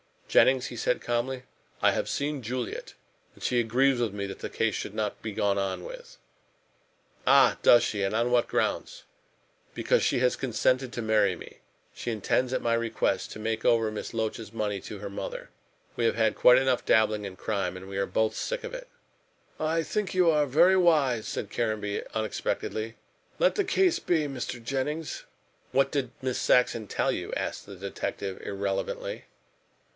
"Jennings," he said calmly, "I have seen Juliet, and she agrees with me that this case should not be gone on with." "Ah! does she, and on what grounds?" "Because she has consented to marry me. She intends, at my request, to make over Miss Loach's money to her mother. We have had quite enough dabbling in crime, and we are both sick of it." "I think you are very wise," said Caranby unexpectedly, "let the case be, Mr. Jennings." "What did Miss Saxon tell you?" asked the detective irrelevantly.